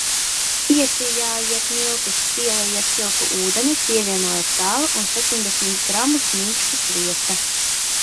Iesijājiet miltus, pielejiet siltu ūdeni, pievienojiet sāli un septiņdesmit gramus mīksta sviesta.